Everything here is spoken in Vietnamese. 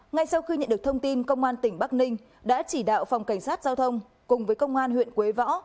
ngay sau khi nhận được thông tin công an tỉnh bắc ninh đã chỉ đạo phòng cảnh sát giao thông cùng với công an huyện quế võ